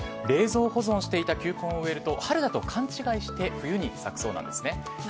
冷凍保存していて球根を植えると春だと勘違いして冬に咲くそうなんです。